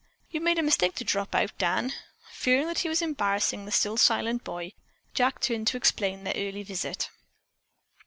You made a mistake to drop out, Dan." Fearing that he was embarrassing the still silent boy, Jack turned to explain their early visit.